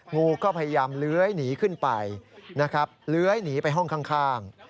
งูก็พยายามเลื้อยหนีขึ้นไปนะครับเลื้อยหนีไปห้องข้าง